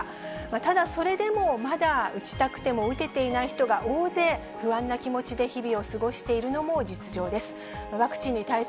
ただ、それでもまだ、打ちたくても打てていない人が大勢、不安な気持ちで日々を過ごしているのも実情です。